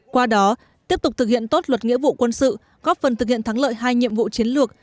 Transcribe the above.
qua đó tiếp tục thực hiện tốt luật nghĩa vụ quân sự góp phần thực hiện thắng lợi hai nhiệm vụ chiến lược